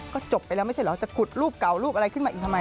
ก็จบไปแล้วไม่ใช่เหรอจะขุดรูปเก่ารูปอะไรขึ้นมาอีกทำไม